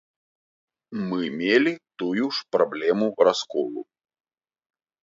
Мы мелі тую ж праблему расколу.